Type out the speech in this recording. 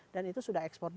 dan itu sudah eksplorasi